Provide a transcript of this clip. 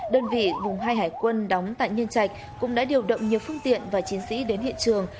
đơn vị vùng hai hải quân đóng tại nhân trạch cũng đã điều động nhiều phương tiện và chiến sĩ đến hiện trường